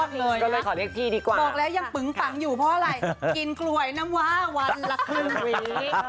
บอกแล้วยังปึงฟังอยู่เพราะอะไรกินกลวยน้ำว่าวันละครึ่งวีค